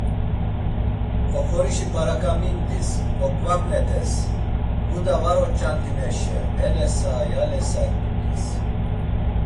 Oxorişi p̌araǩamindis, oǩvaǩnet̆es, guda var oç̌andinaşe, helesa yalesa it̆ut̆es.